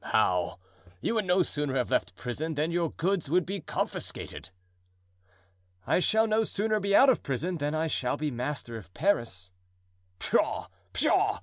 "How? you would no sooner have left prison than your goods would be confiscated." "I shall no sooner be out of prison than I shall be master of Paris." "Pshaw! pshaw!